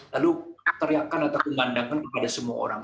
lalu teriakan atau pemandangan kepada semua orang